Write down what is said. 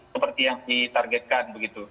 seperti yang ditargetkan